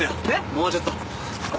もうちょっと。